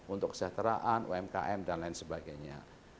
untuk kesejahteraan umkm dan lain sebagainya